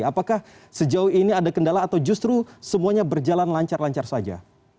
apakah sejauh ini ada kendala atau justru semuanya berjalan lancar lancar saja